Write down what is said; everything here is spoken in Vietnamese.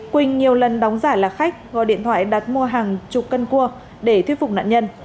quỳnh nhiều lần đóng giả là khách gọi điện thoại đặt mua hàng chục cân cua để thuyết phục nạn nhân